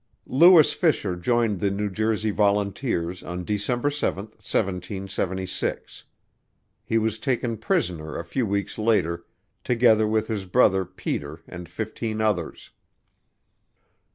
Lewis Fisher joined the New Jersey Volunteers on December 7, 1776. He was taken prisoner a few weeks later, together with his brother Peter and fifteen others.